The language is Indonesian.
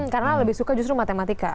karena lebih suka justru matematika